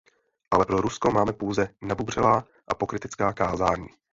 Ale pro Rusko máme pouze nabubřelá a pokrytecká kázání.